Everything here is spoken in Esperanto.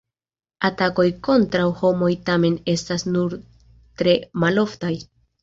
Atakoj kontraŭ homoj tamen estas nur tre maloftaj.